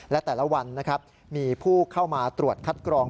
และแต่ละวันนะครับมีผู้เข้ามาตรวจคัดกรอง